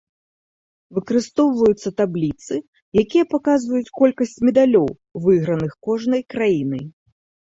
Выкарыстоўваюцца табліцы, якія паказваюць колькасць медалёў, выйграных кожнай краінай.